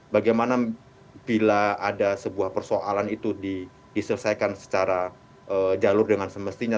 bagaimana bila ada sebuah persoalan itu diselesaikan secara jalur dengan semestinya